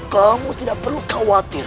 kamu tidak perlu khawatir